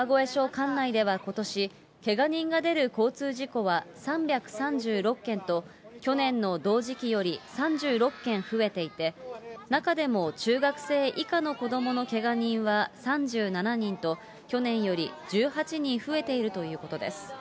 管内ではことし、けが人が出る交通事故は３３６件と、去年の同時期より３６件増えていて、中でも中学生以下の子どものけが人は３７人と、去年より１８人増えているということです。